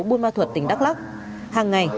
bùa ma thuật tỉnh đắk lắk hàng ngày